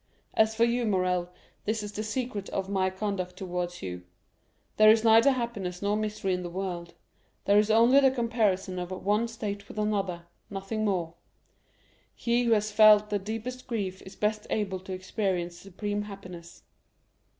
As for you, Morrel, this is the secret of my conduct towards you. There is neither happiness nor misery in the world; there is only the comparison of one state with another, nothing more. He who has felt the deepest grief is best able to experience supreme happiness.